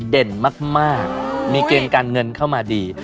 เด่นมากมีเกมการเงินเข้ามาดี